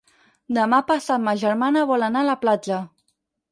Demà passat ma germana vol anar a la platja.